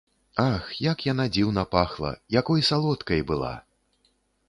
Ах, як яна дзіўна пахла, якой салодкай была!